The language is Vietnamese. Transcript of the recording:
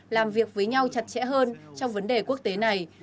làm việc với nhau chặt chẽ hơn trong vấn đề quốc tế này